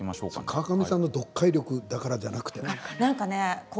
川上さんの読解力があるからじゃなくて？